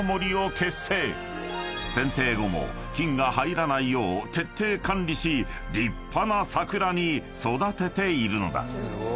［剪定後も菌が入らないよう徹底管理し立派な桜に育てているのだ］